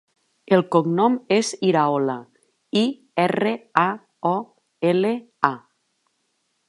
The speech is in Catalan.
El cognom és Iraola: i, erra, a, o, ela, a.